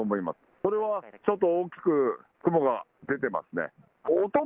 それはちょっと大きく雲が出てますね。